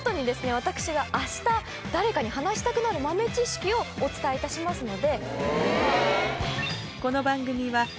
私があした誰かに話したくなる豆知識をお伝えいたしますので。